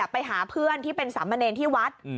ไปหาเพื่อนที่เป็นสรรพเนรทิวัฒน์